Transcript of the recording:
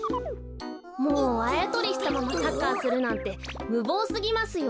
あやとりしたままサッカーするなんてむぼうすぎますよ。